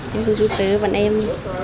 chúng tôi tới với em